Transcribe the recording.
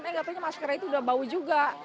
eh katanya maskernya itu udah bau juga